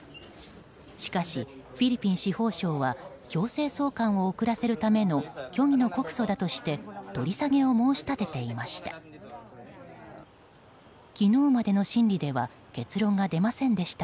しかし、フィリピン司法省は強制送還を遅らせるための虚偽の告訴だとして、取り下げを申し立てていました。